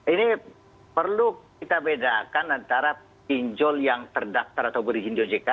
ini perlu kita bedakan antara pinjol yang terdaktar atau berizinkan ojk